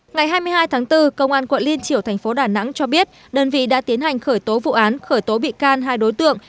ngày hai mươi hai tháng bốn công an quận liên triểu thành phố đà nẵng cho biết đơn vị đã tiến hành khởi tố vụ án khởi tố bị can hai đối tượng